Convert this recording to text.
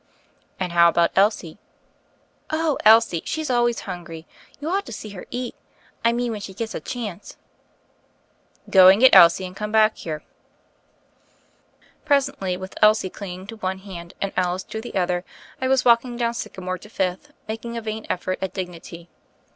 •*And how about Elsie?" "Oh, Elsie ! she's always hungry. You ought to see her eat— ;; I mean when she gets a chance." Go and get Elsie and come back here." THE FAIRY OF THE SNOWS 33 Presently, with Elsie clinging to one hand and Alice to the other, I was walking down Sycamore to Fifth, making a vain effort at dig nity.